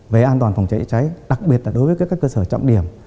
về an toàn phòng cháy chữa cháy đặc biệt là đối với các cơ sở trọng điểm